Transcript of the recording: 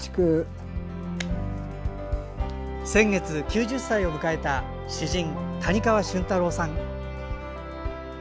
先月、９０歳を迎えた詩人・谷川俊太郎さん。